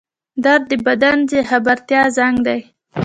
درد د بدن د خبرتیا زنګ دی